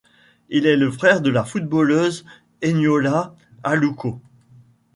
Il est le frère de la footballeuse Eniola Aluko.